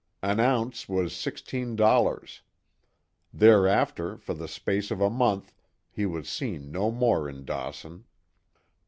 An ounce was sixteen dollars. Thereafter for the space of a month he was seen no more in Dawson.